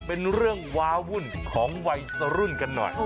เป็นเรื่องว้าวุ่นของวัยสรุ่นกันหน่อย